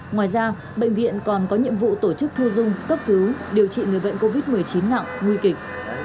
ngoài ra bệnh viện còn có nhiệm vụ tổ chức thu dung cấp cứu điều trị người bệnh covid một mươi chín nặng nguy kịch